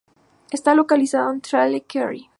Está localizado en Tralee, Kerry.